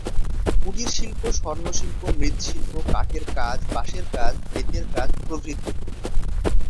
কুটিরশিল্প স্বর্ণশিল্প, মৃৎশিল্প, কাঠের কাজ, বাঁশের কাজ, বেতের কাজ প্রভৃতি।